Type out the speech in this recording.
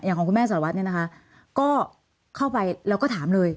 ของคุณแม่สารวัตรเนี่ยนะคะก็เข้าไปแล้วก็ถามเลย